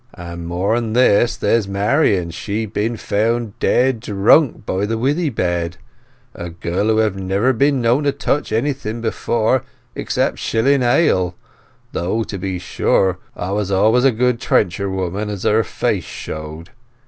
"And, more than this, there's Marian; she's been found dead drunk by the withy bed—a girl who hev never been known to touch anything before except shilling ale; though, to be sure, 'a was always a good trencher woman, as her face showed.